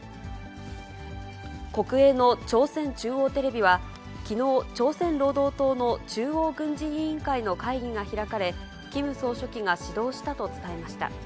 国営の朝鮮中央テレビは、きのう、朝鮮労働党の中央軍事委員会の会議が開かれ、キム総書記が指導したと伝えました。